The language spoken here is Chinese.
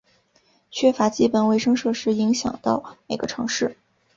缺乏基本卫生设施影响到每个城市。